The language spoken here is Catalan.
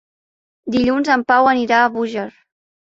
Dilluns en Pau anirà a Búger.